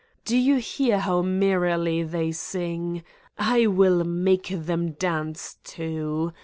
Do you hear how merrily they sing? I will make them dance, too